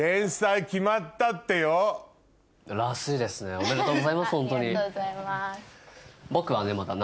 ありがとうございます。